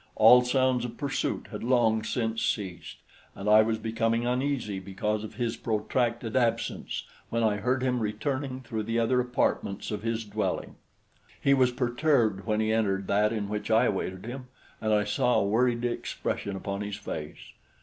All sounds of pursuit had long since ceased, and I was becoming uneasy because of his protracted absence when I heard him returning through the other apartments of his dwelling. He was perturbed when he entered that in which I awaited him, and I saw a worried expression upon his face.